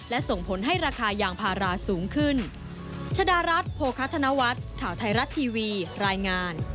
และส่งผลให้ราคายางพาราสูงขึ้น